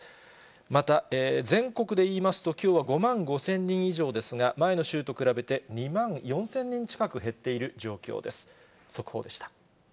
また、全国で言いますと、きょうは５万５０００人以上ですが、前の週と比べて２万４０００人近く減っている状況です。